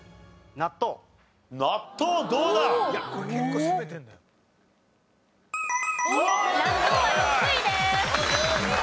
納豆は６位です。